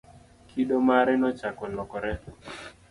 kido mare nochako lokore